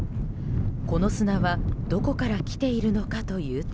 この砂はどこから来ているのかというと。